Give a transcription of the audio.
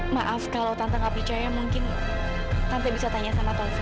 maaf kalau tante gak percaya mungkin tante bisa tanya sama tante